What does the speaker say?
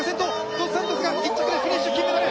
ドス・サントスが１着でフィニッシュ金メダル！